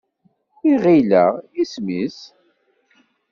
Iɣil-a, isem-is?